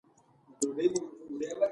د ناکامۍ په صورت کی بیا څه کوئ؟